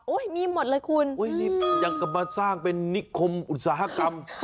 โอ้ยมีหมดเลยคุณอืมอย่างกลับมาสร้างเป็นนิคมอุตสาหกรรม